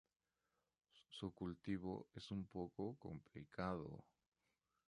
Su cultivo es un poco complicado.